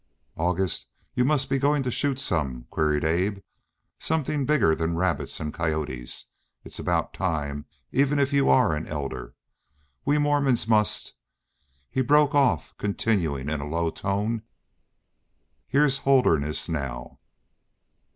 "August, you must be going to shoot some?" queried Abe. "Something bigger than rabbits and coyotes. Its about time even if you are an Elder. We Mormons must " he broke off, continuing in a low tone: "Here's Holderness now."